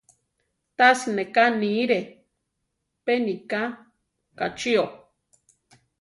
Tasi ne ká niire, pe nika kachío.